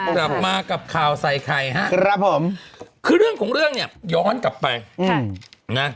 กลับมากับข่าวใส่ไข่ฮะครับผมคือเรื่องของเรื่องเนี่ยย้อนกลับไปนะ